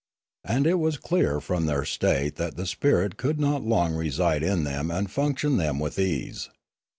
And it was clear from their state that the spirit could not long reside in them and function them with ease.